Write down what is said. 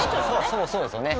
そうですよね。